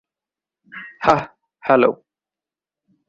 হাহ, hello.